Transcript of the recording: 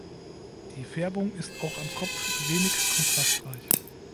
Die Färbung ist auch am Kopf wenig kontrastreich.